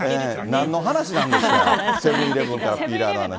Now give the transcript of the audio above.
なんの話やね、セブンーイレブンからピーラーの話。